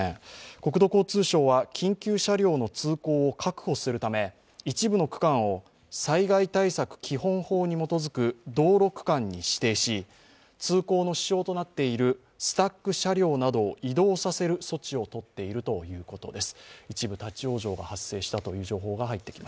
国土交通省は緊急車両の通行を確保するため、一部の区間を災害対策基本法に基づく道路区間に指定し通行の支障となっているスタック車両などを移動させる措置を取っているということです。